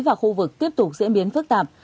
và khu vực tiếp tục diễn biến phức tạp